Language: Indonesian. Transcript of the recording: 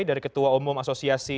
dari ketua umum asosiasi